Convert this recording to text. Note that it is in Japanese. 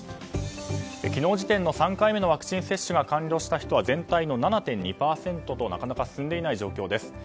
昨日時点の３回目のワクチン接種が完了した人は全体の７．２％となかなか進んでいない状況です。